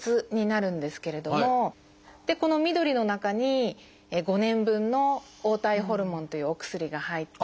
この緑の中に５年分の黄体ホルモンというお薬が入っていて。